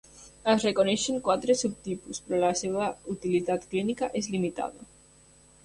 Es reconeixen quatre subtipus, però la seva utilitat clínica és limitada.